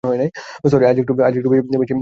Sorry আজ একটু বেশিই বাড়াবাড়ি করে ফেলেছি।